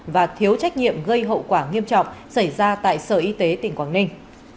và thiếu trách nhiệm gây hậu quả nghiêm trọng xảy ra tại sở y tế tỉnh quảng ninh